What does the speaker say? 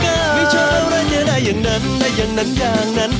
ไม่ใช่อะไรจะได้อย่างนั้นได้อย่างนั้นอย่างนั้น